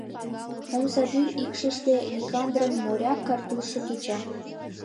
Омсадӱр ишкыште Никандрын моряк картузшо кеча.